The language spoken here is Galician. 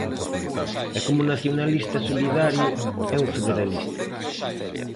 E como nacionalista solidario, é un federalista.